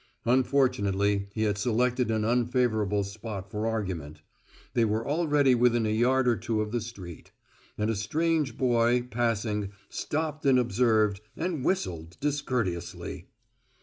Unfortunately, he had selected an unfavourable spot for argument: they were already within a yard or two of the street; and a strange boy, passing, stopped and observed, and whistled discourteously.